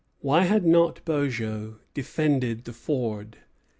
Why had not Beaujeu defended the ford?